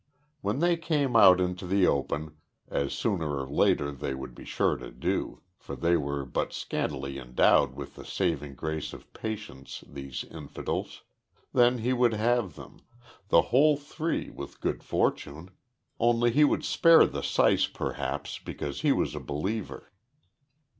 When they came out into the open, as sooner or later they would be sure to do for they were but scantily endowed with the saving grace of patience, these infidels then he would have them; the whole three, with good fortune; only he would spare the syce perhaps, because he was a believer.